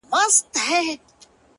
ما په سهار لس رکاته کړي وي،